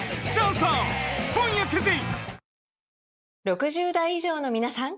６０代以上のみなさん！